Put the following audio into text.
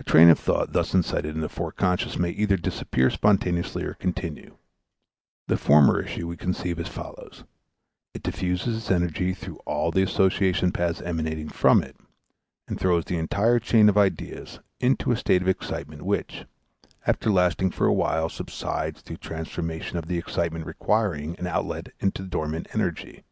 A train of thought thus incited in the Forec. may either disappear spontaneously or continue. The former issue we conceive as follows: It diffuses its energy through all the association paths emanating from it, and throws the entire chain of ideas into a state of excitement which, after lasting for a while, subsides through the transformation of the excitement requiring an outlet into dormant energy.